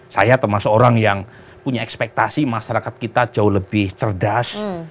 saya termasuk orang yang punya ekspektasi masyarakat kita jauh lebih cerdas